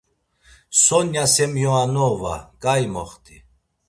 Sonya Semyoanova ǩai moxt̆i.